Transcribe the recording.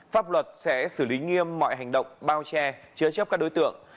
pháp luật sẽ xử lý nghiêm mọi hành động bao che chứa chấp các đối tượng